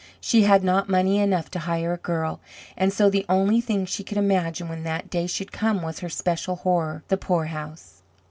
She had not money enough to hire a girl, and so the only thing she could imagine when that day should come was her special horror the poorhouse.